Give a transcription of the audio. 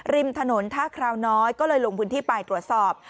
ริมถนนท่าคราวน้อยก็เลยลงพื้นที่ไปตรวจสอบ